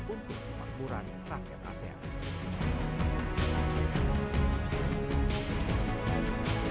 untuk pangguran rakyat asean